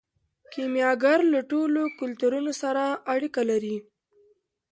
کیمیاګر له ټولو کلتورونو سره اړیکه لري.